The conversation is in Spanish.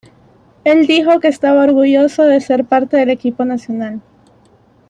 Él dijo que estaba orgulloso de ser parte del equipo nacional.